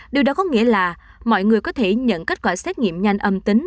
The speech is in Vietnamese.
điều đó có nghĩa là mọi người có thể nhận kết quả xét nghiệm nhanh âm tính